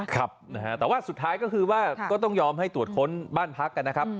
ครับนะฮะแต่ว่าสุดท้ายก็คือว่าก็ต้องยอมให้ตรวจค้นบ้านพักกันนะครับ